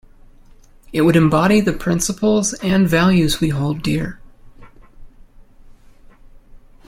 It would embody the principles and values we hold dear.